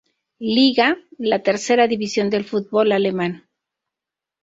Liga, la tercera división del fútbol alemán.